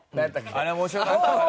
あれ面白かったね。